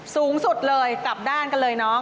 สูงสุดเลยกลับด้านกันเลยน้อง